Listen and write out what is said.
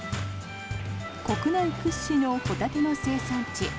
国内屈指のホタテの生産地